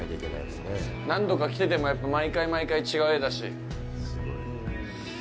何度か来ててもやっぱ毎回毎回違う絵だし。